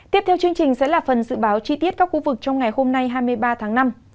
tiếp theo chương trình sẽ là phần dự báo chi tiết các khu vực trong ngày hôm nay hai mươi ba tháng năm